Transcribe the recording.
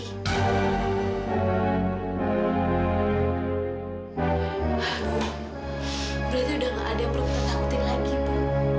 aduh berarti udah enggak ada yang perlu kita takutin lagi bu